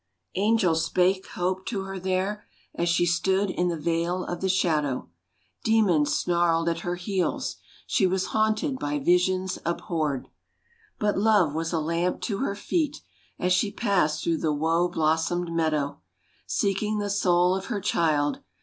Angels spake hope to her there, as she stood in the vale of the shadow, Demons snarled at her heels, she was haunted by visions abhorred; But Love was a lamp to her feet as she passed through the woe blossomed meadow, Seeking the soul of her child.